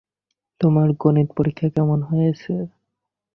তোমার গণিত পরীক্ষা কেমন হয়েছে?